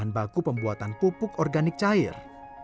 dan baku pembuatan pupuk organik cair